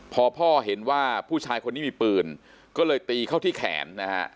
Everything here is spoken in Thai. พอพ่อเห็นว่าผู้ชายคนนี้มีปืนก็เลยตีเข้าที่แขนนะฮะ